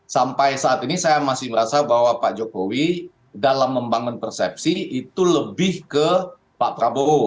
sampai saat ini saya masih merasa bahwa pak jokowi dalam membangun persepsi itu lebih ke pak prabowo